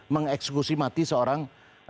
mengeksekusi mati seorang